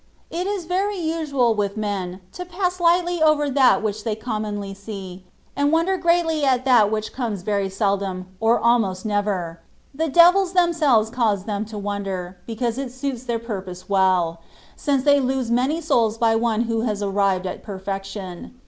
It is verv usual with men to pass lightly over that which they com monly see, and wonder greatly at that which comes very seldom, or almost never : the devils themselves cause them to wonder, because it suits their purpose well, since they lose many souls by one who has arrived at perfection.